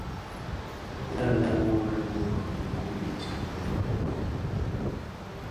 Wè wuorèn wuorèn dhi dikuu ditsem.